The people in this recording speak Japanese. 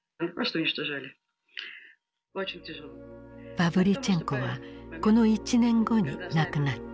パヴリチェンコはこの１年後に亡くなった。